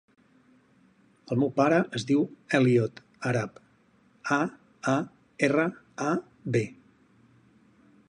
El meu pare es diu Elliot Aarab: a, a, erra, a, be.